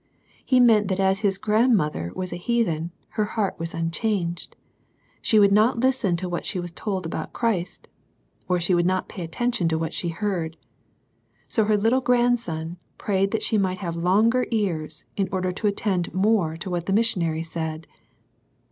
He meant that as his grandmother was a heathen, her heart was unchanged. She would not listen to what she was told about Christ, or she would pay no attention to what she heard. So her little grandson prayed that she might have longer ears in order to attend more to what the missionary said